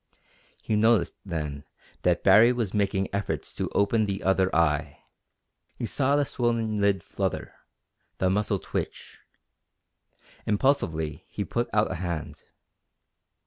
He noticed, then, that Baree was making efforts to open the other eye; he saw the swollen lid flutter, the muscle twitch. Impulsively he put out a hand.